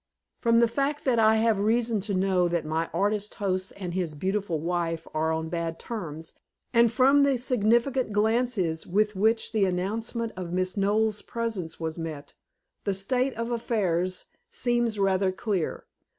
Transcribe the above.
From the fact that I have reason to know that my artist host and his beautiful wife are on bad terms, and from the significant glances with which the announcement of Miss Knowles' presence was met, the state of affairs seems rather clear.